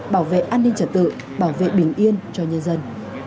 bảo vệ an ninh trật tự bảo vệ bình yên cho nhân dân